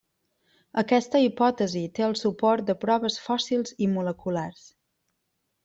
Aquesta hipòtesi té el suport de proves fòssils i moleculars.